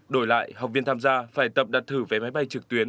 đổi lại học viên tham gia phải tập đặt thử vé máy bay trực tuyến